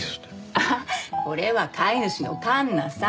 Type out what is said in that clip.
あっこれは飼い主のカンナさん。